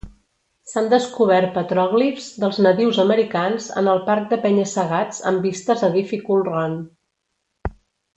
S'han descobert petròglifs dels nadius americans en el parc de penya-segats amb vistes a Difficult Run.